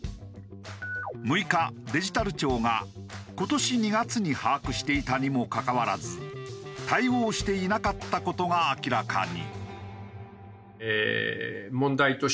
６日デジタル庁が今年２月に把握していたにもかかわらず対応していなかった事が明らかに。